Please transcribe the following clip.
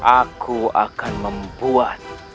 aku akan membuat